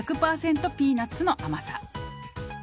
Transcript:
ピーナッツの甘さ」